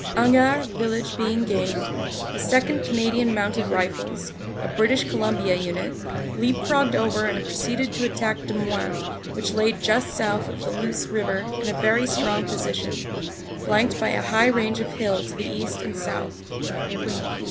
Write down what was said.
Hangard village being gained, the 2nd. C. M. R., a British Columbia unit, leap frogged over and proceeded to attack Demuin which lay just south of the Luce river in a very strong position, flanked by a high range of hill to the east and south.